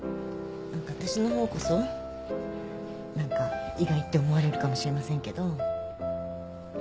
何か私の方こそ何か意外って思われるかもしれませんけど。